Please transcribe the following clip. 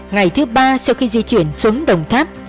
ngày thứ ba sau khi di chuyển xuống đồng tháp